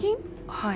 はい。